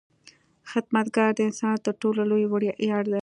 • خدمتګاري د انسان تر ټولو لوی ویاړ دی.